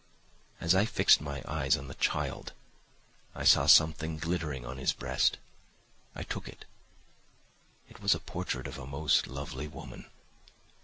"As I fixed my eyes on the child, I saw something glittering on his breast. I took it; it was a portrait of a most lovely woman.